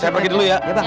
saya pergi dulu ya